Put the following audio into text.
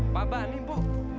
pak bani bu